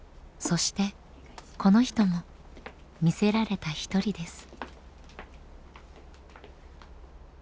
そしてこの人も魅せられた一人です。